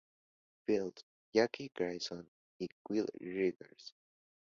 Fields, Jackie Gleason, y Will Rogers.